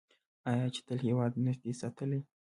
آیا چې تل یې هیواد نه دی ساتلی؟